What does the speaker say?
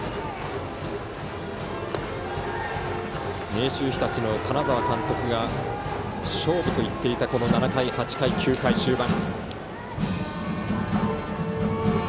明秀日立の金沢監督が勝負と言っていたこの７回、８回、９回、終盤。